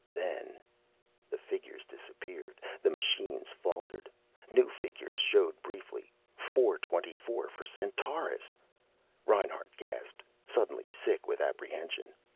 Then The figures disappeared. The machines faltered. New figures showed briefly. 4 24 for Centaurus. Reinhart gasped, suddenly sick with apprehension.